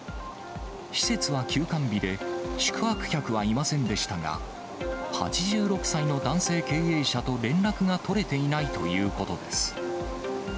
施設は休館日で、宿泊客はいませんでしたが、８６歳の男性経営者と連絡が取れていないということです。